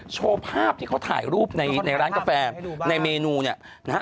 โชว์ภาพที่เขาถ่ายรูปในร้านกาแฟในเมนูเนี่ยนะฮะ